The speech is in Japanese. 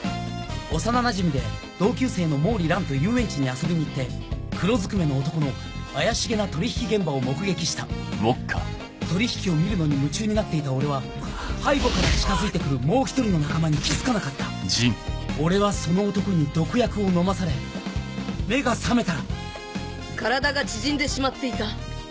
幼なじみで同級生の毛利蘭と遊園地に遊びに行って黒ずくめの男の怪し気な取引現場を目撃した取引を見るのに夢中になっていた俺は背後から近づいて来るもう１人の仲間に気付かなかった俺はその男に毒薬を飲まされ目が覚めたら体が縮んでしまっていた！